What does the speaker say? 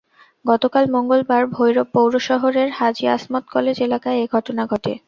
গতকাল মঙ্গলবার ভৈরব পৌর শহরের হাজি আসমত কলেজ এলাকায় এ ঘটনা ঘটে।